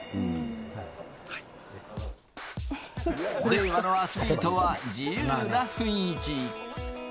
令和のアスリートは自由な雰囲気。